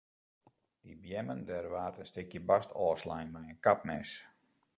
Dy beammen dêr waard in stikje bast ôfslein mei in kapmes.